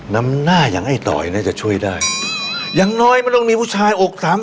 น้ำหน้าอย่างให้ต่อยน่าจะช่วยได้อย่างน้อยมันต้องมีผู้ชายอกสาม